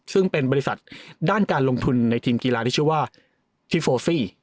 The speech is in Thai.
ซึ่งเป็นบริษัทด้านการลงทุนในทีมกีฬาที่ชื่อว่าทิโฟฟี่